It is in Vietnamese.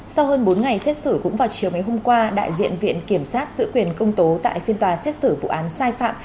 sau hơn bốn ngày xét xử cũng vào chiều ngày hôm qua đại diện viện kiểm sát giữ quyền công tố tại phiên tòa xét xử vụ án sai phạm